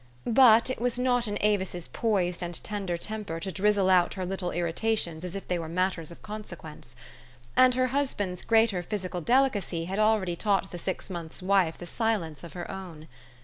But it was not in A vis's poised and tender temper to drizzle out her little irritations as if they were matters of consequence . And her husband' s greater physical delicacy had already taught the six months' wife the silence of her own.